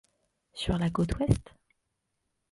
Sur la côte ouest?